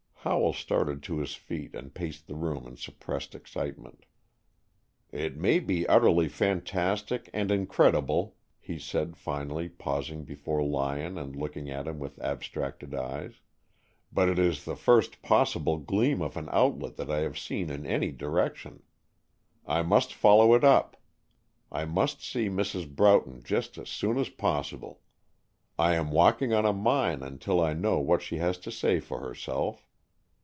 Howell started to his feet and paced the room in suppressed excitement. "It may be utterly fantastic and incredible," he said finally, pausing before Lyon and looking at him with abstracted eyes, "but it is the first possible gleam of an outlet that I have seen in any direction. I must follow it up. I must see Mrs. Broughton just as soon as possible. I am walking on a mine until I know what she has to say for herself.